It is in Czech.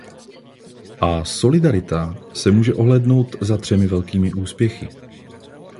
A Solidarita se může ohlédnout za třemi velkými úspěchy.